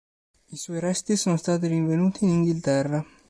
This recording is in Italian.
I suoi resti sono stati rinvenuti in Inghilterra.